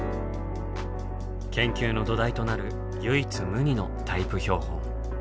研究の土台となる唯一無二の「タイプ標本」。